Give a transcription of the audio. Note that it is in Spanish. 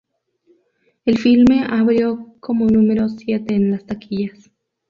El filme abrió como número siete en las taquillas.